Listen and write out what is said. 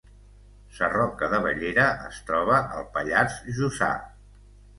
Sarroca de Bellera es troba al Pallars Jussà